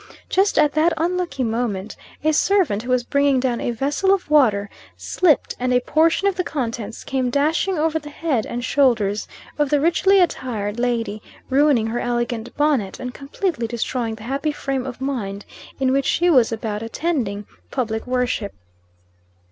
Just at that unlucky moment, a servant, who was bringing down a vessel of water, slipped, and a portion of the contents came dashing over the head and shoulders of the richly attired lady, ruining her elegant bonnet, and completely destroying the happy frame of mind in which she was about attending public worship.